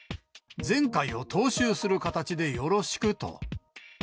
前回を踏襲する形でよろしくと。